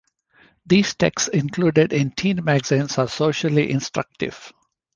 These texts included in teen magazines are socially instructive.